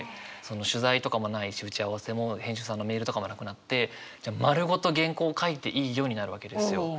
取材とかもないし打ち合わせも編集さんのメールとかもなくなってじゃあ丸ごと原稿書いていいよになるわけですよ。